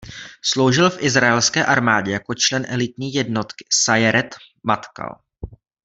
Sloužil v izraelské armádě jako člen elitní jednotky Sajeret Matkal.